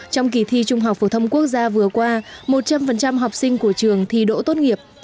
trong kỳ thi trung học phổ thông quốc gia vừa qua một trăm linh học sinh của trường thi đỗ tốt nghiệp